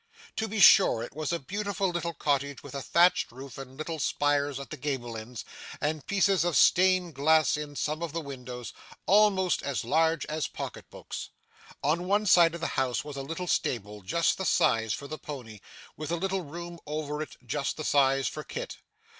To be sure, it was a beautiful little cottage with a thatched roof and little spires at the gable ends, and pieces of stained glass in some of the windows, almost as large as pocket books. On one side of the house was a little stable, just the size for the pony, with a little room over it, just the size for Kit.